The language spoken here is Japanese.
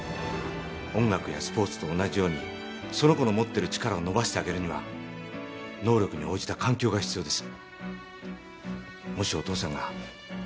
音楽やスポーツと同じようにその子の持ってる力を伸ばしてあげるには能力に応じた環境が必要です。